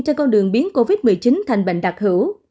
cho con đường biến covid một mươi chín thành bệnh đặc hữu